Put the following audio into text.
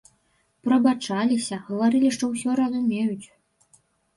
Прабачаліся, гаварылі, што ўсё разумеюць.